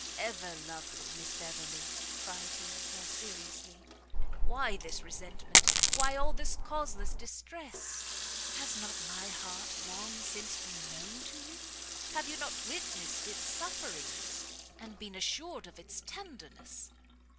"Ever lovely Miss Beverley," cried he, more seriously, "why this resentment? why all this causeless distress? Has not my heart long since been known to you? have you not witnessed its sufferings, and been assured of its tenderness?